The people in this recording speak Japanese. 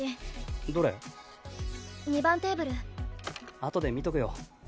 あとで見とくよ。